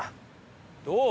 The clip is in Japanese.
どう？